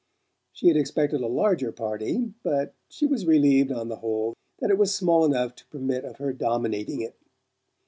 She had expected a larger party; but she was relieved, on the whole, that it was small enough to permit of her dominating it.